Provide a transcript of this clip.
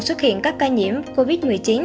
xuất hiện các ca nhiễm covid một mươi chín